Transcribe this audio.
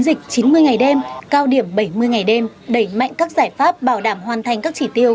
dịch chín mươi ngày đêm cao điểm bảy mươi ngày đêm đẩy mạnh các giải pháp bảo đảm hoàn thành các chỉ tiêu